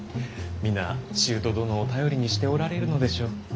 皆舅殿を頼りにしておられるのでしょう。